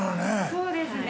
そうですね。